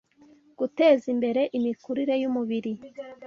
guteza imbere imikurire y’umubiri